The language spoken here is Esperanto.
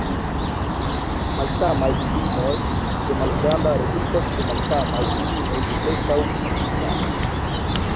Malsamaj difinoj de "malgranda" rezultas ĉe malsamaj difinoj de "preskaŭ disa".